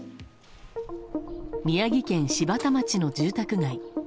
宮城県柴田町の住宅街。